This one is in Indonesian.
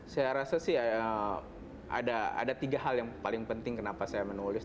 saya rasa sih ada tiga hal yang paling penting kenapa saya menulis